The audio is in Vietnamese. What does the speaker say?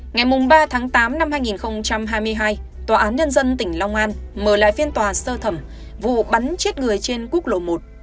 ngày ba tháng tám năm hai nghìn hai mươi hai tòa án nhân dân tỉnh long an mở lại phiên tòa sơ thẩm vụ bắn chết người trên quốc lộ một